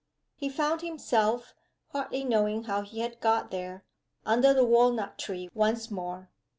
He found himself (hardly knowing how he had got there) under the walnut tree once more.